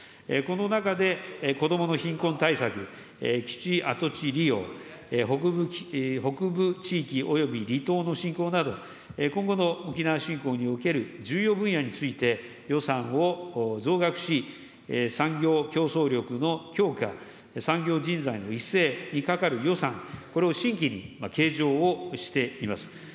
この中で、子どもの貧困対策、基地跡地利用、北部地域および離島の振興など、今後の沖縄振興における重要分野について、予算を増額し、産業競争力の強化、産業人材の育成にかかる予算、これを新規に計上をしています。